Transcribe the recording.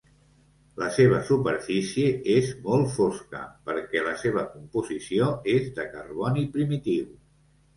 La seva superfície és molt fosca perquè la seva composició és de carboni primitiu.